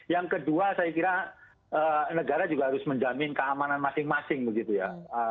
yang kedua saya kira negara juga harus menjamin keamanan masing masing begitu ya